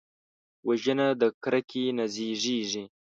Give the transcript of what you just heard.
وژنه د کرکې نه زیږېږي